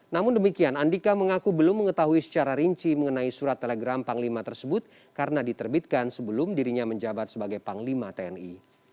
namun demikian andika mengaku belum mengetahui secara rinci mengenai surat telegram panglima tersebut karena diterbitkan sebelum dirinya menjabat sebagai panglima tni